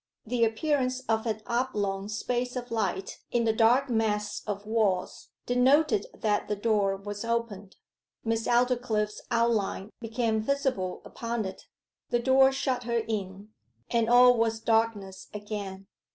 The appearance of an oblong space of light in the dark mass of walls denoted that the door was opened. Miss Aldclyffe's outline became visible upon it; the door shut her in, and all was darkness again.